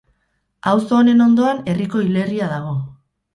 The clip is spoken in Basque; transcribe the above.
Auzo honen ondoan herriko hilerria dago.